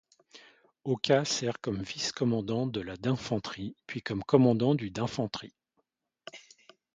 Oka sert comme vice-commandant de la d'infanterie puis comme commandant du d'infanterie.